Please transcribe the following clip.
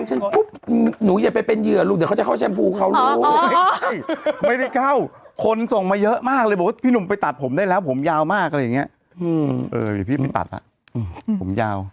ออกหึ้ตัวออกมาแล้วออกมาแล้ว